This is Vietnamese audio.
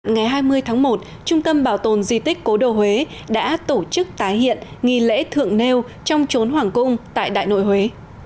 ngày hai mươi tháng một trung tâm bảo tồn di tích cố đô huế đã tổ chức tái hiện nghi lễ thượng nêu trong trốn hoàng cung tại đại nội huế